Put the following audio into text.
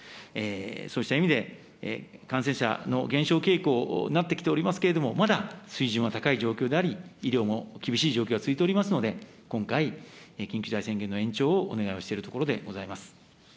そうした意味で、感染者の減少傾向、なってきておりますけれども、まだ水準は高い状況であり、医療も厳しい状況が続いておりますので、今回、緊急事態宣言の延長をお願いをしているところでございます。